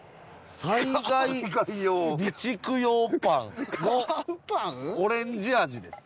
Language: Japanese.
災害備蓄用パンのオレンジ味です。